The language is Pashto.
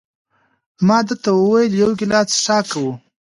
ما ده ته وویل: یو ګیلاس څښاک کوو؟